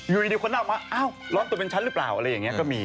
อยู่ดีคนหน้าออกมาอ้าวร้อนตัวเป็นฉันหรือเปล่าอะไรอย่างนี้ก็มี